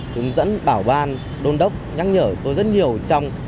hướng dẫn bảo ban đôn đốc nhắc nhở tôi rất nhiều trong